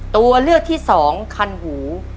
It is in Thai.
ตัวเลือกที่สองคันหู